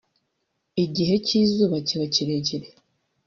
igihe cy’izuba kiba kirekire